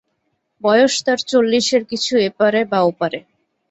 বয়স তাঁর চল্লিশের কিছু এপারে বা ওপারে।